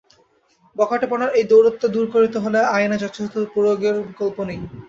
বখাটেপনার এই দৌরাত্ম্য দূর করতে হলে আইনের যথাযথ প্রয়োগের বিকল্প নেই।